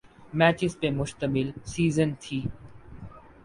matches پہ مشتمل series تھی